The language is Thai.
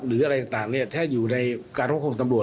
หรืออะไรต่างเนี่ยถ้าอยู่ในการควบคุมตำรวจ